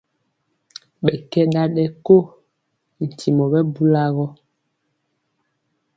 Ɓɛ kɛ ɗaɗɛ ko ntimo ɓɛ bula gɔ.